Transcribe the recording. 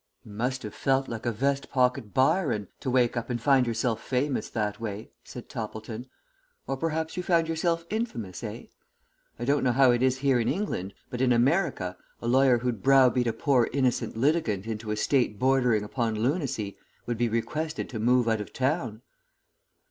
"YOU must have felt like a vest pocket Byron, to wake up and find yourself famous that way," said Toppleton; "or, perhaps you found yourself _in_famous, eh? I don't know how it is here in England, but in America a lawyer who'd browbeat a poor innocent litigant into a state bordering upon lunacy, would be requested to move out of town."